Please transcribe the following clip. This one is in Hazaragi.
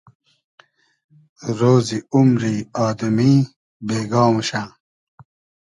رۉزی اومری آدئمی بېگا موشۂ